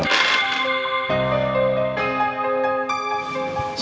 kamu yang kenapa